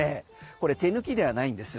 これ、手抜きではないんです。